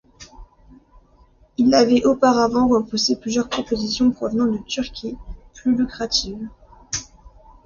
Il avait auparavant repoussé plusieurs propositions provenant de Turquie, plus lucratives.